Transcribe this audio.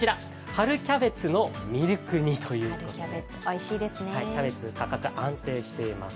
春キャベツのミルク煮ということでキャベツ、価格、安定しています。